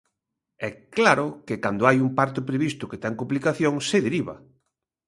¡E claro que cando hai un parto previsto que ten complicacións se deriva!